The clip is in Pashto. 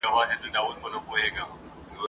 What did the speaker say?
زده کوونکي په لوړ ږغ ترانې وايي.